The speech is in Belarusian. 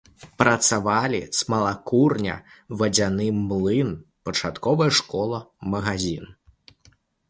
Працавалі смалакурня, вадзяны млын, пачатковая школа, магазін.